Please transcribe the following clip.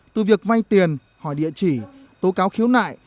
từ việc vay tiền hỏi địa chỉ tố cáo khiếu nại